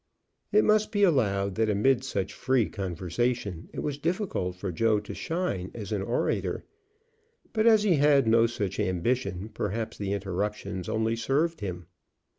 It must be allowed that amid such free conversation it was difficult for Joe to shine as an orator. But as he had no such ambition, perhaps the interruptions only served him.